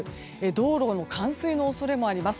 道路の冠水の恐れもあります。